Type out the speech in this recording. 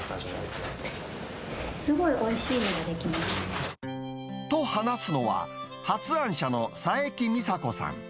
すごいおいしいのが出来ましと、話すのは、発案者の佐伯美紗子さん。